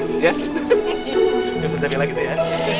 bisa jamin lagi deh ya